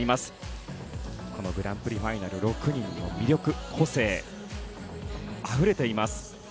このグランプリファイナル６人の魅力、個性それらがあふれています。